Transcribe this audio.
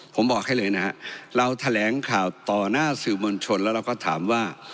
ผมบอกให้เลยนะฮะเราแถลงข่าวต่อหน้าสื่อมวลชนแล้วเราก็ถามว่า